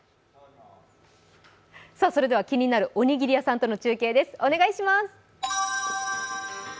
それでは気になるおにぎり屋さんとの中継です。